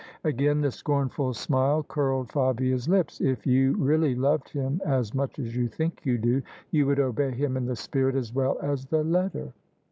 Again the scornful smile curled Fabia's lips. " If you really loved him as much as you think you do, you would obey him in the spirit as well as the letter."